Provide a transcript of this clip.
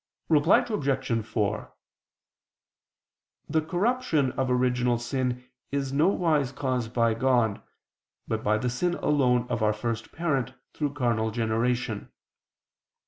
Reply Obj. 4: The corruption of original sin is nowise caused by God, but by the sin alone of our first parent through carnal generation.